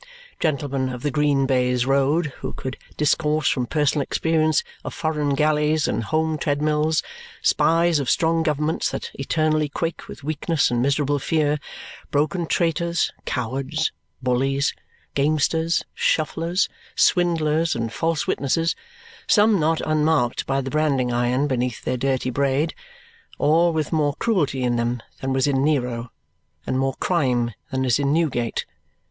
Gentlemen of the green baize road who could discourse from personal experience of foreign galleys and home treadmills; spies of strong governments that eternally quake with weakness and miserable fear, broken traitors, cowards, bullies, gamesters, shufflers, swindlers, and false witnesses; some not unmarked by the branding iron beneath their dirty braid; all with more cruelty in them than was in Nero, and more crime than is in Newgate.